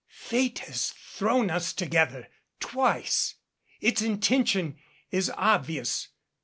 "Fate has thrown us together twice. Its intention is obvious.